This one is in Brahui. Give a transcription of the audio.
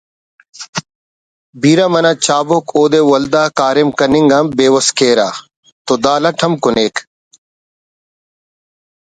بیرہ منہ چابک اودے ولدا کاریم کننگ آ بیوس کیرہ…… تو دا لٹ ہم کنیک